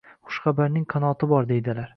Xushxabarning qanoti bor, deydilar